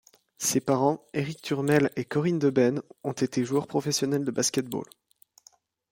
Ses parents, Eric Turmel et Corinne Debène ont été joueurs professionnels de Basketball.